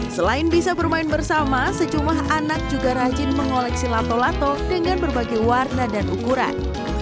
selain bisa bermain bersama sejumlah anak juga rajin mengoleksi lato lato dengan berbagai warna dan ukuran